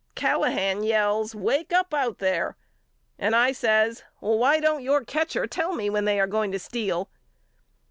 Callahan yells Wake up out there and I says Why don't your catcher tell me when they are going to steal.